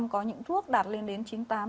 có những thuốc đạt lên đến chín mươi